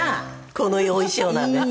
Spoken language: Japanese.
このお衣装なんです。